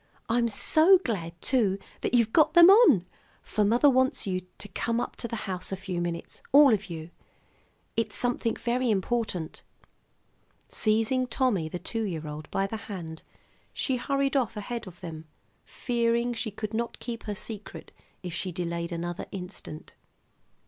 I'm so glad, too, that you've got them on, for mother wants you to come up to the house a few minutes, all of you. It's something very important." [Illustration: "We want to show you our new house."] Seizing Tommy, the two year old, by the hand, she hurried off ahead of them, fearing she could not keep her secret if she delayed another instant.